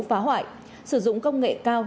phá hoại sử dụng công nghệ cao